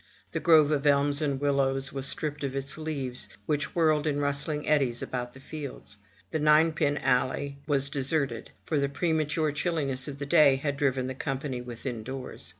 The grove of elms and willows was stripped of its leaves, which whirled in rustling eddies about the fields. The ninepin alley was deserted, for the premature chilliness of the day had driven the company within doors.